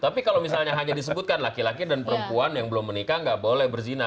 tapi kalau misalnya hanya disebutkan laki laki dan perempuan yang belum menikah nggak boleh berzina